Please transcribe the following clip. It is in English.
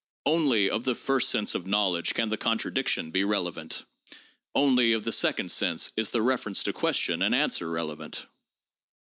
Only of the first sense of knowledge can the contradiction be relevant; only of the second sense is the reference to question and answer relevant.